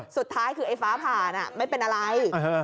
สุดท้ายคือไอ้ฟ้าผ่านไม่เป็นอะไร